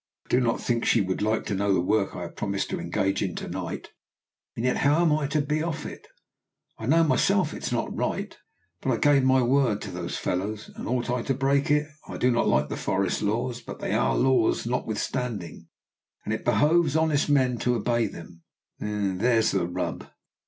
"I do not think she would like to know the work I have promised to engage in to night, and yet how am I to be off it? I know myself it is not right, but I gave my word to those fellows, and ought I to break it? I do not like the forest laws, but they are laws notwithstanding, and it behoves honest men to obey them there's the rub.